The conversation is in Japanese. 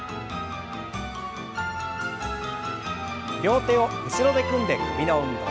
両手を後ろで組んで首の運動。